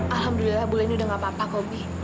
alhamdulillah bulen udah nggak apa apa kobi